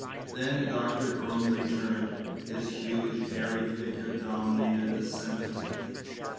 Then Doctor Groom returned. His huge hairy figure dominated the cemetery.